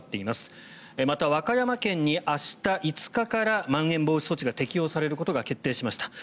また、和歌山県に明日５日からまん延防止措置が適用されることが決定しました。